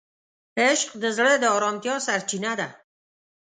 عشق د زړه د آرامتیا سرچینه ده.